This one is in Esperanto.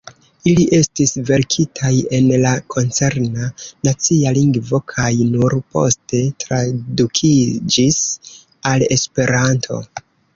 Ili estis verkitaj en la koncerna nacia lingvo kaj nur poste tradukiĝis al Esperanto.